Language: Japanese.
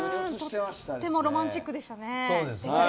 とてもロマンチックでしたね。